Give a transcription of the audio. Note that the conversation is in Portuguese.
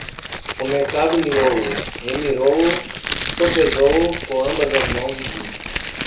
O mercador mirou-o, remirou-o, sopesou-o com ambas as mãos e disse